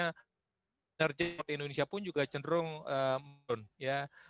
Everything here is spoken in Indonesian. kinerja ekspor di indonesia pun juga cenderung menurun ya